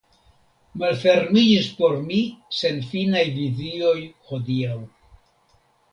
Malfermiĝis por mi senfinaj vizioj hodiaŭ.